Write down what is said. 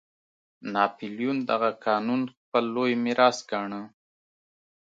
ناپلیون دغه قانون خپل لوی میراث ګاڼه.